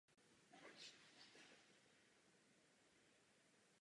V žádné jiné české zoo tento druh nebyl nikdy chován.